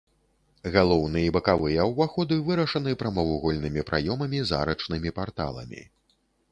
Галоўны і бакавыя ўваходы вырашаны прамавугольнымі праёмамі з арачнымі парталамі.